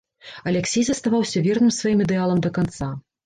Аляксей заставаўся верным сваім ідэалам да канца.